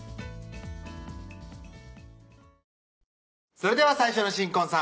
それでは最初の新婚さん